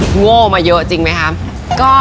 โง่มาเยอะจริงไหมคะ